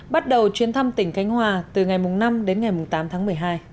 bắt đầu chuyến thăm tỉnh khánh hòa từ ngày năm đến ngày tám tháng một mươi hai